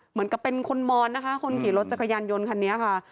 เหมือนกับเป็นคนมอนนะคะคนขี่รถจักรยานยนต์คันนี้ค่ะ